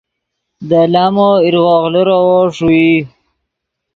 دے لامو ایرغوغ لیروّو ݰوئی